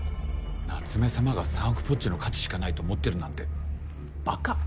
夏目さまが３億ぽっちの価値しかないと思ってるなんてバカ？